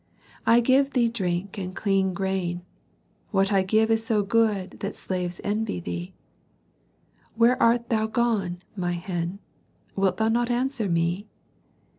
I give thee drink and clean grain; what I give is so good that slaves envy thee. Where art thou gone, my hen wilt thou not answer me?